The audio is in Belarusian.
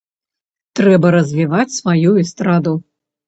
Трэба развіваць сваю эстраду.